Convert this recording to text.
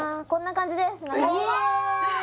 こんな感じですわ